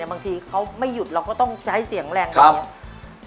บางทีเขาไม่หยุดเราก็ต้องใช้เสียงแรงแบบนี้